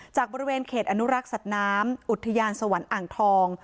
บริเวณเขตอนุรักษ์สัตว์น้ำอุทยานสวรรค์อ่างทอง